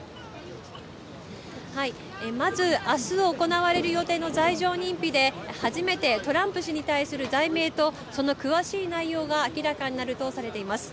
まず、あす行われる予定の罪状認否で初めてトランプ氏に対する罪名と、その詳しい内容が明らかになるとされています。